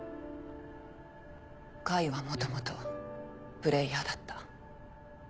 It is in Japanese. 甲斐は元々プレイヤーだった。